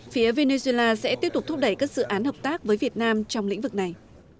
phía venezuela sẽ tiếp tục thúc đẩy các dự án hợp tác với việt nam trong lĩnh vực này